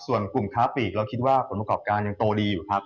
ส่วนกลุ่มค้าปีกเราคิดว่าผลประกอบการยังโตดีอยู่ครับ